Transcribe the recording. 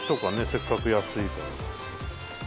せっかく安いから